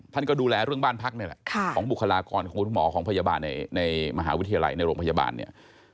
ท่านก็ดูแลเรื่องบ้านพักนี่แหละของบุคลากรของคุณหมอของพยาบาลในมหาวิทยาลัยในโรงพยาบาลเนี่ย